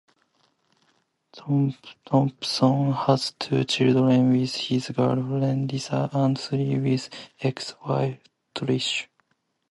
Thompson has two children with his girlfriend Lisa, and three with ex-wife Trish.